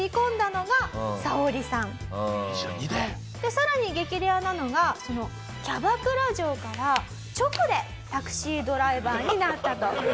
さらに激レアなのがキャバクラ嬢から直でタクシードライバーになったと。